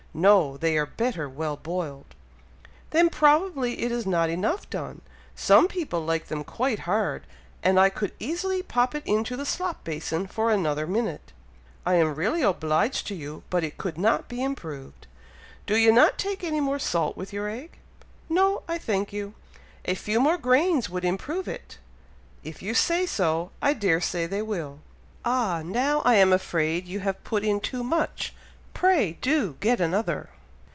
"No! they are better well boiled!" "Then probably it is not enough done. Some people like them quite hard, and I could easily pop it into the slop basin for another minute." "I am really obliged to you, but it could not be improved." "Do you not take any more salt with your egg?" "No, I thank you!" "A few more grains would improve it!" "If you say so, I dare say they will." "Ah! now I am afraid you have put in too much! pray do get another!"